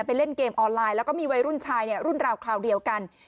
เล่นเกมออนไลน์แล้วก็มีวัยรุ่นชายเนี่ยรุ่นราวคราวเดียวกัน